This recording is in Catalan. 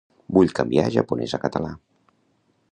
Vull canviar japonès a català.